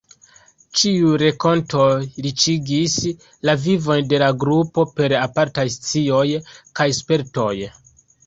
Ĉiuj renkontoj riĉigis la vivon de la Grupo per apartaj scioj kaj spertoj.